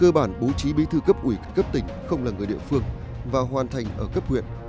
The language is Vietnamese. cơ bản bố trí bí thư cấp ủy cấp tỉnh không là người địa phương và hoàn thành ở cấp huyện